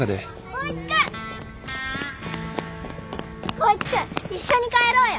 光一君一緒に帰ろうよ！